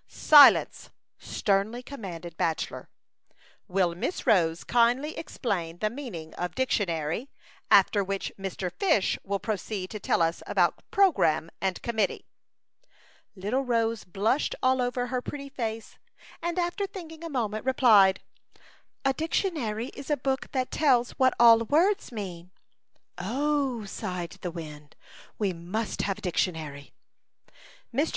" Silence I " sternly commanded Bachelor. "Will Miss Rose kindly explain the meaning of dictionary, after which Mr. Fish will proceed to 34 ^ Chautauqua Idyl. tell us about programme and com mittee." Little Rose blushed all over her pretty face, and after thinking a mo ment, replied, — "A dictionary is a book that tells what all words mean." "Oh!" sighed the wind, "we must have a dictionary." Mr.